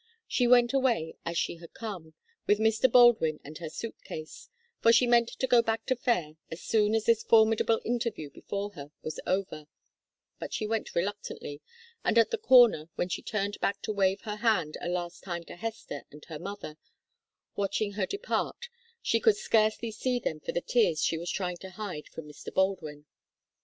She went away as she had come, with Mr. Baldwin and her suit case, for she meant to go back to Fayre as soon as this formidable interview before her was over, but she went reluctantly, and at the corner, when she turned back to wave her hand a last time to Hester and her mother, watching her depart, she could scarcely see them for the tears she was trying to hide from Mr. Baldwin.